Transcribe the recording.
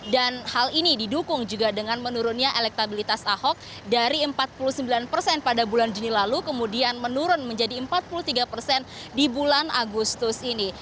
dan hal ini didukung juga dengan menurunnya elektabilitas ahok dari empat puluh sembilan persen pada bulan juni lalu kemudian menurun menjadi empat puluh tiga persen di bulan agustus ini